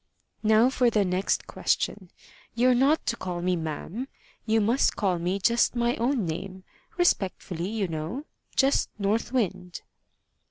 "Now for the next question: you're not to call me ma'am. You must call me just my own name respectfully, you know just North Wind."